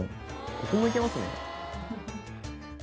ここもいけますね